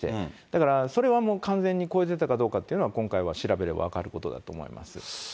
だからそれはもう完全に超えていたかどうかっていうのは、今回は調べれば分かることだと思います。